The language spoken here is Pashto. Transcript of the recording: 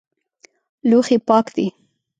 لوښي پاک دي؟